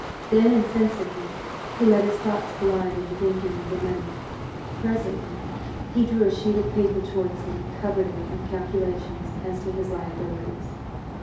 Then insensibly he let his thoughts glide into thinking of the money. Presently he drew a sheet of paper towards him and covered it with calculations as to his liabilities.